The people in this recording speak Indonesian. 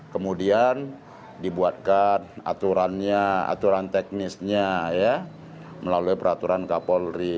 kemudian dibuatkan aturannya aturan teknisnya ya melalui peraturan kapolri